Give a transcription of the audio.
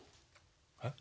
えっ？